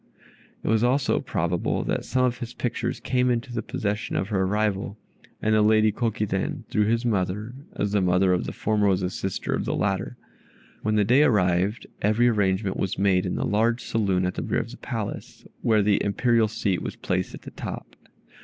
It was also probable that some of his pictures came into the possession of her rival, the Lady Kokiden, through his mother (as the mother of the former was a sister of the latter). When the day arrived every arrangement was made in the large saloon at the rear of the Palace, where the Imperial seat was placed at the top.